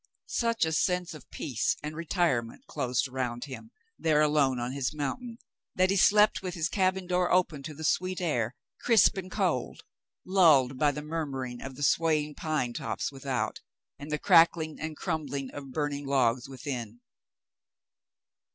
Such a sense of peace and retirement closed around him there alone on his mountain, that he slept with his cabin door open to the sweet air, crisp and cold, lulled by the murmuring of the swaying pine tops without, and the crack ling and crumbling of burning logs within.